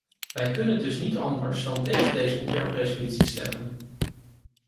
Wij kunnen dus niet anders dan tegen deze ontwerpresolutie stemmen.